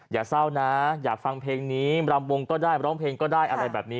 อย่าเศร้านะอยากฟังเพลงนี้รำวงก็ได้ร้องเพลงก็ได้อะไรแบบนี้